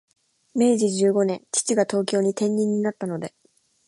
明治十五年、父が東京に転任になったので、